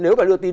nếu mà đưa tin